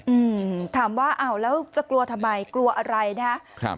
อืมถามว่าอ้าวแล้วจะกลัวทำไมกลัวอะไรนะครับ